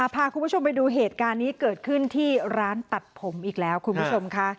พาคุณผู้ชมไปดูเหตุการณ์นี้เกิดขึ้นที่ร้านตัดผมอีกแล้วคุณผู้ชมค่ะ